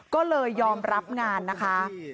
ก็เลยยอมรับงานนะคะ